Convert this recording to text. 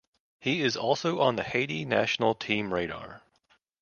He is also on the Haiti national team radar.